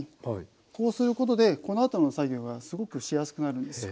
こうすることでこのあとの作業がすごくしやすくなるんですよ。